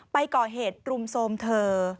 ไปก่อเหตุรุมโทรมเธอ